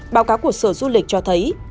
báo cáo của sở du lịch cho thấy